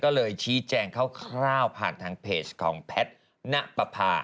ก็เลยชี้แจงคร่าวผ่านชุดเปิดของแพทนัปภาร์